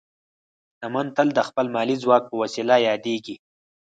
شتمن تل د خپل مالي ځواک په وسیله یادېږي.